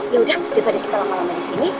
ya udah daripada kita lama lama disini